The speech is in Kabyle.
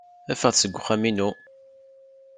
Ffɣet seg wexxam-inu!